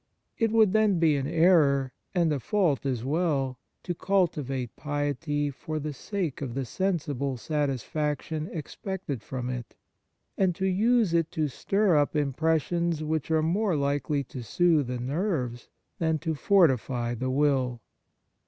It would, then, be an error, and a fault as well, to cultivate piety for the sake of the sensible satisfaction expected from it, and to use it to stir up impressions which are more likely to soothe the nerves than to fortify the will.